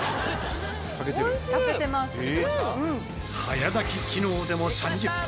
早炊き機能でも３０分。